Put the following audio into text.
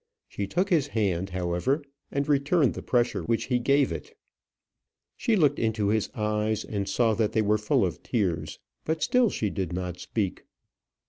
She took his hand, however, and returned the pressure which he gave it. She looked into his eyes, and saw that they were full of tears; but still she did not speak.